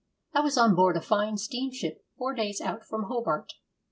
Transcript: I was on board a fine steamship four days out from Hobart.